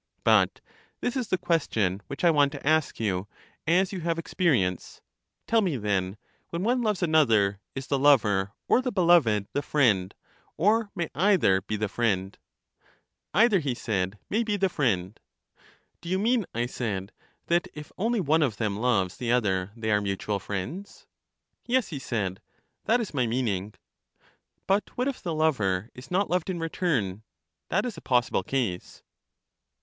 But this is the question which I want to ask you, as you have experience: tell me then, when one loves another, is the lover or the beloved the friend ; or may either be the friend ? Either, he said, may be the friend. Do you mean, I said, that if only one of them loves the other, they are mutual friends? Yes, he said ; that is my meaning. But what if the lover is not loved in return? That is a possible case.